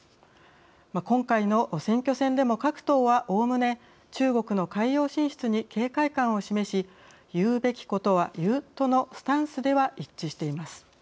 今回の選挙戦でも各党はおおむね中国の海洋進出に警戒感を示し言うべきことは言うとのスタンスでは一致しています。